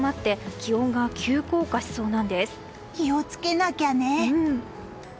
気を付けなきゃね。